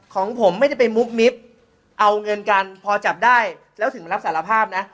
ของผมไม่ได้ไปมุบมิบเอาเงินกันพอจับได้แล้วถึงรับสารภาพนะ